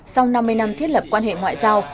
sau năm mươi năm thiết lập quan hệ ngoại giao